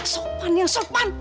sopan ya sopan